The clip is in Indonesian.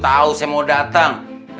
tau saya mau datang